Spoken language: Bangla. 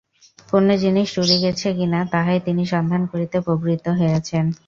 কোনো জিনিস চুরি গেছে কি না তাহাই তিনি সন্ধান করিতে প্রবৃত্ত হইয়াছেন।